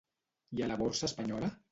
I a la borsa espanyola?